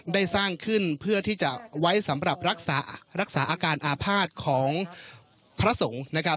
ได้สร้างขึ้นเพื่อที่จะไว้สำหรับรักษารักษาอาการอาภาษณ์ของพระสงฆ์นะครับ